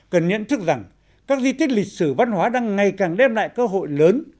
cần nhận thức rằng các di tích lịch sử văn hóa đang ngày càng đem lại cơ hội lớn